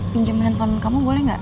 pinjam handphone kamu boleh nggak